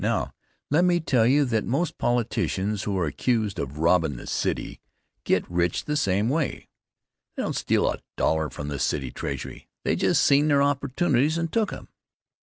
Now, let me tell you that most politicians who are accused of robbin' the city get rich the same way. They didn't steal a dollar from the city treasury. They just seen their opportunities and took them.